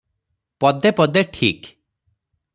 ପଦେ ପଦେ ଠିକ୍ ।